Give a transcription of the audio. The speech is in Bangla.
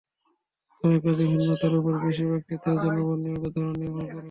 তবে কাজের ভিন্নতার ওপর বেশির ভাগ ক্ষেত্রে জনবল নিয়োগের ধরন নির্ভর করে।